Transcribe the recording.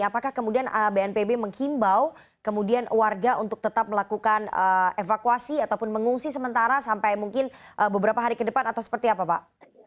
apakah kemudian bnpb menghimbau kemudian warga untuk tetap melakukan evakuasi ataupun mengungsi sementara sampai mungkin beberapa hari ke depan atau seperti apa pak